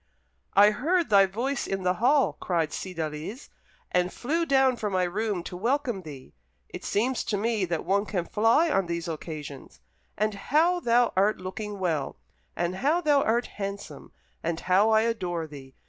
"I heard thy voice in the hall," cried Cydalise, "and flew down from my room to welcome thee. It seems to me that one can fly on these occasions. And how thou art looking well, and how thou art handsome, and how I adore thee!"